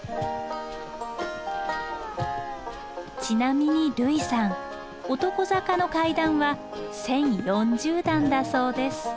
ちなみに類さん男坂の階段は１，０４０段だそうです。